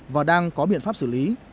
và đang có biện pháp xử lý